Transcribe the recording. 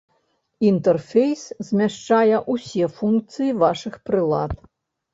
Інтэрфейс змяшчае ўсе функцыі вашых прылад.